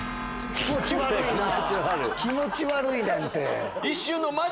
気持ち悪いねんて！